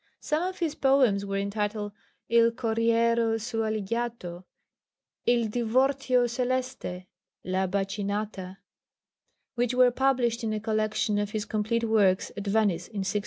Some of his poems were entitled Il corriero sualigiato, Il divortio celeste, La baccinata, which were published in a collection of his complete works at Venice in 1655.